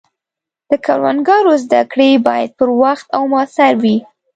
د کروندګرو زده کړې باید پر وخت او موثر وي.